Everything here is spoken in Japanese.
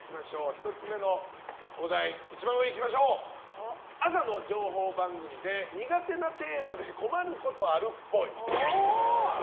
１つ目のお題朝の情報番組で苦手なテーマで困ることあるっぽい。